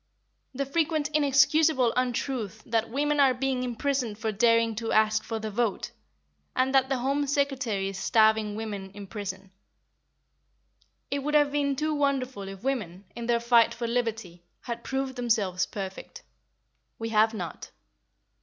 The frequent inexcusable untruth that "women are being imprisoned for daring to ask for the vote," and that the Home Secretary is starving women in prison. It would have been too wonderful if women, in their fight for liberty, had proved themselves perfect. We have not.